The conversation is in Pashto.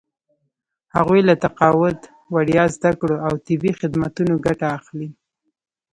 هغوی له تقاعد، وړیا زده کړو او طبي خدمتونو ګټه اخلي.